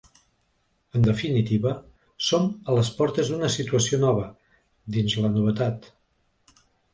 En definitiva, som a les portes d’una situació nova, dins la novetat.